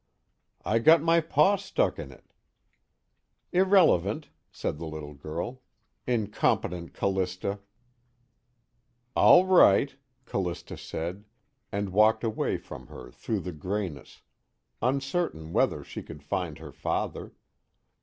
"I got my paw stuck in it." "Irrelevant," said the little girl. "Incompetent Callista." "All right," Callista said, and walked away from her through the grayness, uncertain whether she could find her father.